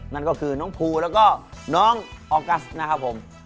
นั่นก็คือน้องภูแล้วก็น้องออกัสนะครับผม